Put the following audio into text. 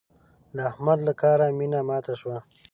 د احمد له کاره مينه ماته شوه.